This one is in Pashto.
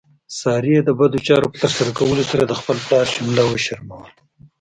سارې د بدو چارو په ترسره کولو سره د خپل پلار شمله وشرموله.